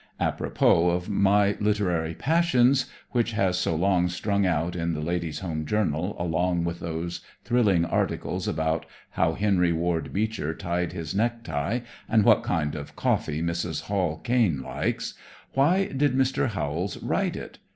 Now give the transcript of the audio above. Apropos of "My Literary Passions" which has so long strung out in the Ladies' Home Journal along with those thrilling articles about how Henry Ward Beecher tied his necktie and what kind of coffee Mrs. Hall Cain likes, why did Mr. Howells write it?